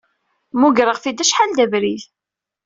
Muggreɣ-t-id acḥal d abrid.